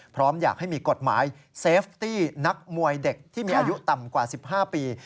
พร้อมอยากให้มีกฎหมายเซฟตี้นักมวยเด็กที่มีอายุต่ำกว่า๑๕ปี